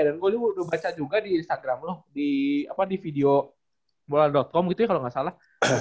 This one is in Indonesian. dan gue udah baca juga di instagram lu di apa di video bola com gitu ya kalau nggak salah